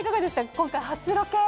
今回初ロケ。